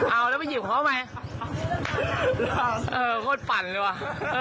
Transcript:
เอาแล้วไปหยิบเขาไหมเออโคตรปั่นเลยว่ะ